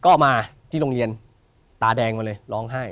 ก็มาที่โรงเรียนตาแดงมาเลยร้องไห้